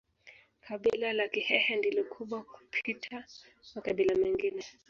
Kabila la Kihehe ndilo kubwa kupita makabila mengine